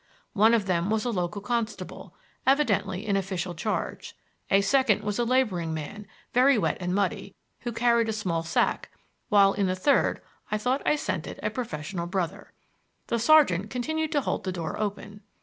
One of them was a local constable, evidently in official charge; a second was a laboring man, very wet and muddy, who carried a small sack; while in the third I thought I scented a professional brother. The sergeant continued to hold the door open.